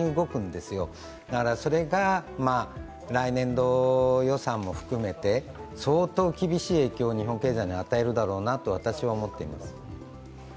だからそれが来年度予算も含めて、相当厳しい影響を日本経済に与えるだろうなと私は思っています。